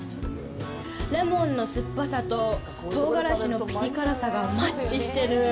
レモンの酸っぱさと唐がらしのピリ辛さがマッチしてる。